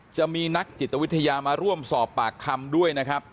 จะมีนักจิตวิทยามาร่วมสอบปากคำด้วยนะครับ